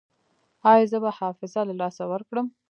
ایا زه به حافظه له لاسه ورکړم؟